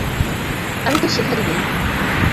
আমি তো সেখানে নেই।